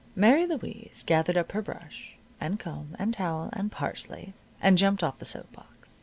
Mary Louise gathered up her brush, and comb, and towel, and parsley, and jumped off the soap box.